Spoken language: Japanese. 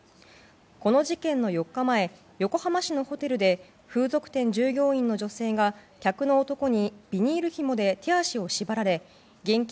この事件の４日前横浜市のホテルで風俗店従業員の女性が、客の男にビニールひもで手足を縛られ現金